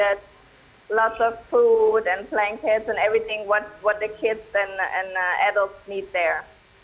mereka memberikan banyak makanan barang dan semuanya yang diperlukan oleh anak anak dan anak anak di sana